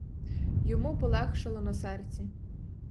Йому полегшало на серці.